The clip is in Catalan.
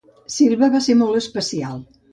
Silva va ser molt especial.